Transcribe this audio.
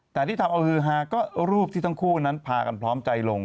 แต่ที่ทำเอาฮือฮาก็รูปที่ทั้งคู่นั้นพากันพร้อมใจลง